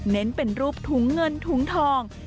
เป็นรูปถุงเงินถุงทอง